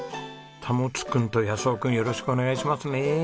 タモツくんとヤスオくんよろしくお願いしますね。